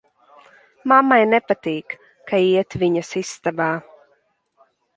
Mammai nepatīk, ka iet viņas istabā.